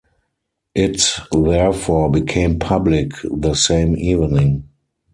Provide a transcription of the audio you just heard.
It therefore became public the same evening.